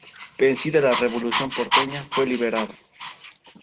Vencida la revolución porteña, fue liberado.